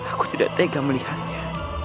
aku tidak tega melihatnya